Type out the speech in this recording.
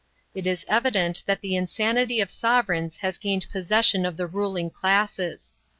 "It is evident that the insanity of sovereigns has gained possession of the ruling classes.